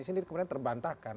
sebenarnya kemudian terbantahkan